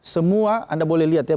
semua anda boleh lihat ya